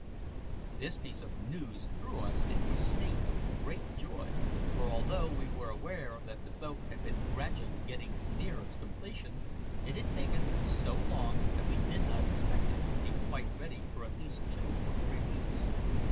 This piece of news threw us into a state of great joy; for although we were aware that the boat had been gradually getting near its completion, it had taken so long that we did not expect it to be quite ready for at least two or three weeks.